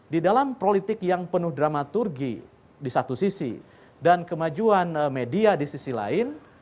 di dalam politik yang penuh dramaturgi di satu sisi dan kemajuan media di sisi lain